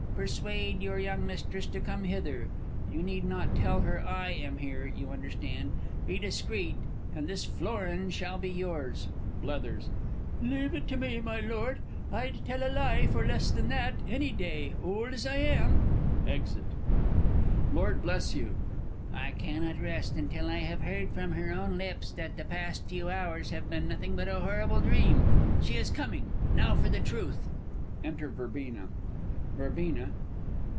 Persuade your young Mistress to come hither you need not tell her I am here, you understand. Be discreet, and this florin shall be yours! Blethers. Leave it to me, my lord. I'd tell a lie for less than that, any day, old as I am! [Exit. Lord Bl. I cannot rest till I have heard from her own lips that the past few hours have been nothing but a horrible dream.... She is coming! Now for the truth! Enter VERBENA. _Verbena.